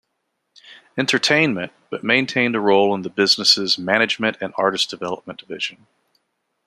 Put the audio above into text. Entertainment, but maintained a role in the business's "management and artist development" division.